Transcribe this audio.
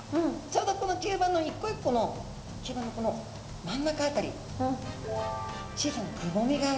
ちょうどこの吸盤の一個一個の吸盤のこの真ん中辺り小さなくぼみがあります。